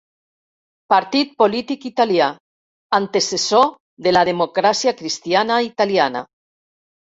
Partit polític italià, antecessor de la Democràcia Cristiana Italiana.